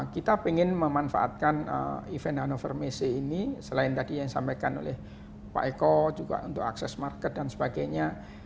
kita ingin memanfaatkan event hannover messe ini selain tadi yang disampaikan oleh pak eko juga untuk akses market dan sebagainya